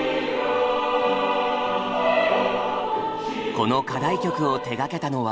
この課題曲を手がけたのは。